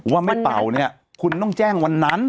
ว่าไม่เป่าเนี่ยคุณต้องแจ้งวันนั้น